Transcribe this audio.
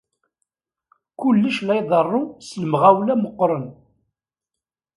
Kullec la iḍerru s lemɣawla meqqren.